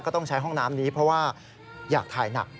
ต้องใช้ห้องน้ำนี้เพราะว่าอยากถ่ายหนัก